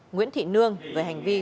nguyễn thị nương về hành vi